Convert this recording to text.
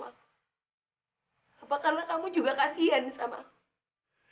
apakah kamu juga kasian sama aku